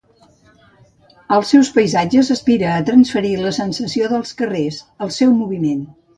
Als seus paisatges aspira a transferir la sensació dels carrers, el seu moviment.